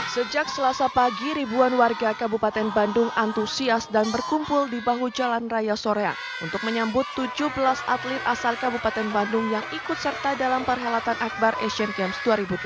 sejak selasa pagi ribuan warga kabupaten bandung antusias dan berkumpul di bahu jalan raya soreang untuk menyambut tujuh belas atlet asal kabupaten bandung yang ikut serta dalam perhelatan akbar asian games dua ribu delapan belas